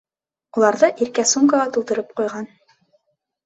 Уларҙы Иркә сумкаға тултырып ҡуйған.